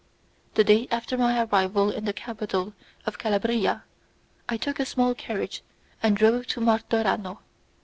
The day after my arrival in the capital of Calabria, I took a small carriage and drove to Martorano.